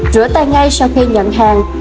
rửa tay ngay sau khi nhận hàng